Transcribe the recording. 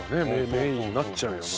メインになっちゃうよな。